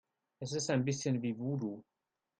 Es ist ein bisschen wie Voodoo.